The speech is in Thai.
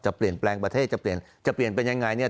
เปลี่ยนแปลงประเทศจะเปลี่ยนจะเปลี่ยนเป็นยังไงเนี่ย